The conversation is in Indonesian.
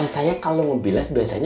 saya kalau mau bilas biasanya